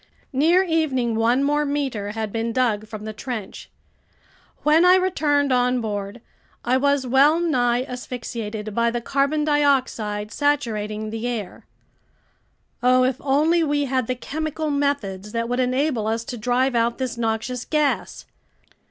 Near evening one more meter had been dug from the trench. When I returned on board, I was wellnigh asphyxiated by the carbon dioxide saturating the air. Oh, if only we had the chemical methods that would enable us to drive out this noxious gas!